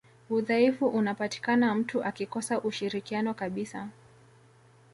udhaifu unapatikana mtu akikosa ushirikiano kabisa